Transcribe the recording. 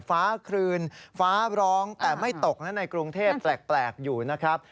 ฟ้าคลืนฟ้าร้องแต่ไม่ตกนะในกรุงเทพแปลกอยู่นะครับ